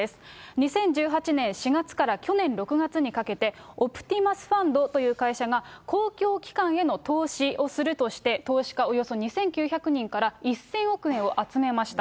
２０１８年４月から去年６月にかけて、オプティマスファンドという会社が公共機関への投資をするとして、投資家およそ２９００人から１０００億円を集めました。